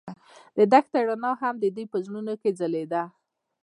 د دښته رڼا هم د دوی په زړونو کې ځلېده.